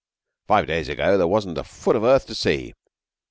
'Five days ago there wasn't a foot of earth to see.